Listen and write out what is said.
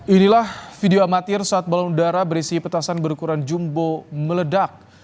inilah video amatir saat balon udara berisi petasan berukuran jumbo meledak